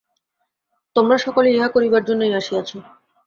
তোমরা সকলে ইহা করিবার জন্যই আসিয়াছ।